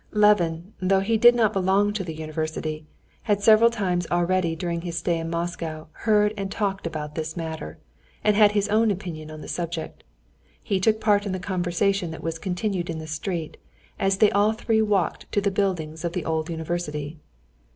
Levin, though he did not belong to the university, had several times already during his stay in Moscow heard and talked about this matter, and had his own opinion on the subject. He took part in the conversation that was continued in the street, as they all three walked to the buildings of the old university.